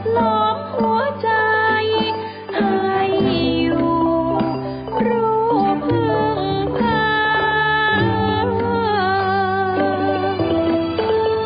หัวใจอายุรุภัณฑ์